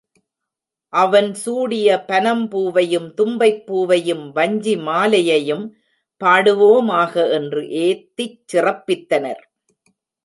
அவன் சூடிய பனம் பூவையும், தும்பைப் பூவையும், வஞ்சி மாலையையும் பாடுவோமாக! என்று ஏத்திச் சிறப்பித்தனர்.